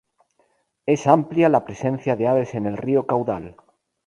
Es amplia la presencia de aves en el río Caudal.